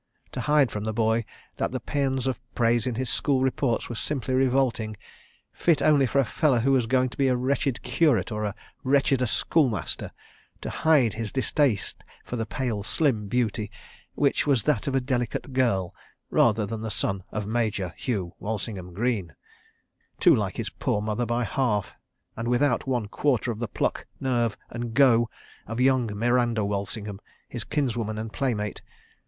To hide from the boy that the pæans of praise in his school reports were simply revolting—fit only for a feller who was going to be a wretched curate or wretcheder schoolmaster; to hide his distaste for the pale, slim beauty, which was that of a delicate girl rather than of the son of Major Hugh Walsingham Greene. ... Too like his poor mother by half—and without one quarter the pluck, nerve, and "go" of young Miranda Walsingham, his kinswoman and playmate.